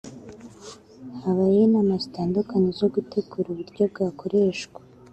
Habayeho inama zitandukanye zo gutegura uburyo bwakoreshwa